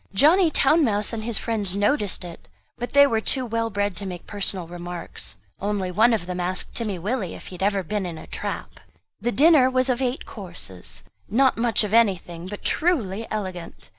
Johnny Town mouse and his friends noticed it; but they were too well bred to make personal remarks; only one of them asked Timmy Willie if he had ever been in a trap? The dinner was of eight courses; not much of anything, but truly elegant.